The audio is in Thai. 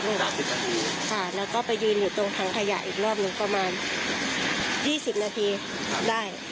ค่ะแล้วก็ไปยืนอยู่ตรงถังขยะอีกรอบหนึ่งประมาณ๒๐นาทีได้